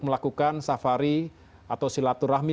melakukan safari atau silaturahmi